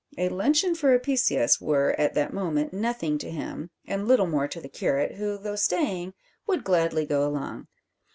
A luncheon for Apicius were, at that moment, nothing to him; and little more to the curate, who, though staying, would gladly go along.